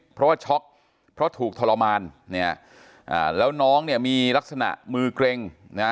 เพราะว่าช็อกเพราะถูกทรมานเนี่ยแล้วน้องเนี่ยมีลักษณะมือเกร็งนะ